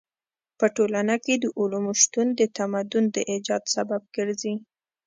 په ټولنه کې د علومو شتون د تمدن د ايجاد سبب ګرځي.